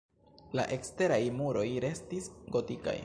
La eksteraj muroj restis gotikaj.